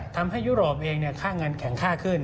ทำให้ยูโรปเองค่าเงินแข็งข้าขึ้น